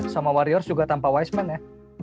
sama warriors juga tanpa wiseman ya